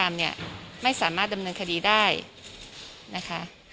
แอนด์ไทม์นี้ไม่สามารถดำเนินคดีได้นะคะ